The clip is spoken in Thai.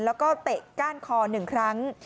แล้วก็เตะก้านคอ๑ครั้ง